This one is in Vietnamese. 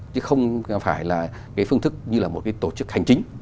chứ không phải là phương thức như là một tổ chức hành chính